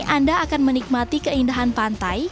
anda akan menikmati keindahan pantai